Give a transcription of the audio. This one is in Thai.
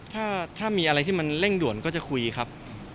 ถ้ามีอะไรที่มันเร่งด่วนก็จะคุยครับ